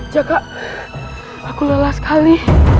jaka aku lelah sekali